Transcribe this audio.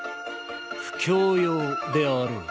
布教用であろう。